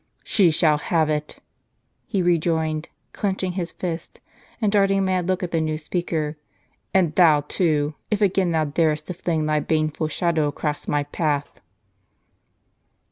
" She shall have it," he rejoined, clenching his fist, and darting a mad look at the new speaker; "and thou too, if again thou darest to fling thy baneful shadow across my path."